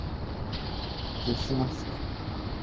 沒有珍惜能見面的機會